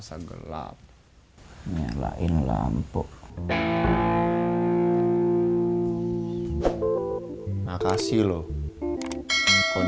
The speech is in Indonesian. temenin gua ngobrol